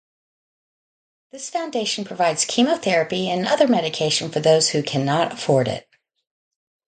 This foundation provides chemotherapy and other medication for those who cannot afford it.